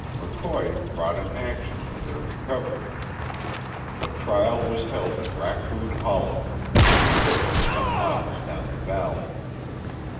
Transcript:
McCoy brought an action for their recovery. The trial was held at Raccoon Hollow, a little village some miles down the valley.